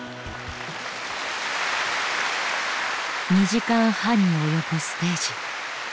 ２時間半に及ぶステージ。